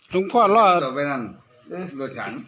ลงพ่อลับในรถฉั่น